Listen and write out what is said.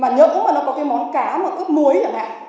những mà nó có cái món cá mà ướp muối chẳng hạn